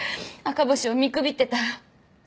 赤星を見くびってた。